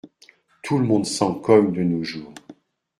Tout le monde s’en cogne, de nos jours.